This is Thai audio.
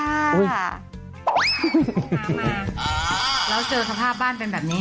ถามมาแล้วเจอความภาพบ้านเป็นแบบนี้